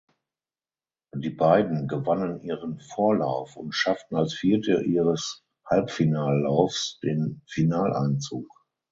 Die beiden gewannen ihren Vorlauf und schafften als Vierte ihres Halbfinallaufs den Finaleinzug.